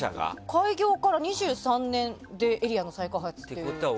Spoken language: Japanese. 開業から２３年でエリアの再開発ですから。